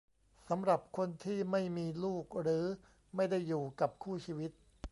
สำหรับคนที่ไม่มีลูกหรือไม่ได้อยู่กับคู่ชีวิต